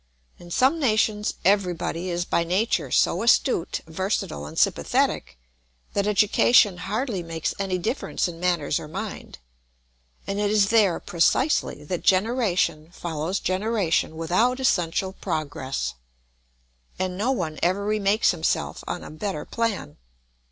In some nations everybody is by nature so astute, versatile, and sympathetic that education hardly makes any difference in manners or mind; and it is there precisely that generation, follows generation without essential progress, and no one ever remakes himself on a better plan.